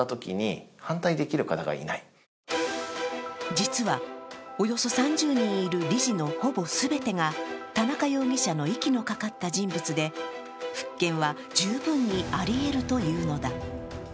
実は、およそ３０人いる理事のほぼ全てが田中容疑者の息のかかった人物で、復権は十分にありえるというのだ。